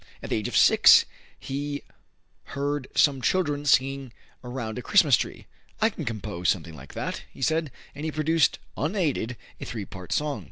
At the age of six he heard some children singing around a Christmas tree. "I can compose something like that," he said, and he produced unaided a three part song.